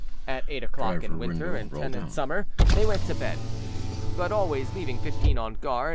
At eight o'clock in winter, and ten in summer, they went to bed; but always leaving fifteen on guard.